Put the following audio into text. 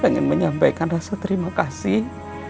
ingin menyampaikan rasa terima kasih